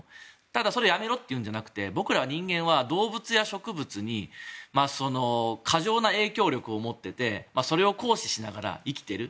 ただ、それをやめろっていうんじゃなくて僕ら人間は動物や植物に過剰な影響力を持っていてそれを行使しながら生きている。